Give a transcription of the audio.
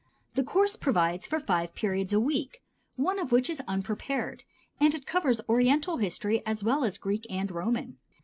The course provides for five periods a week (one of which is unprepared), and it covers Oriental History as well as Greek and Roman.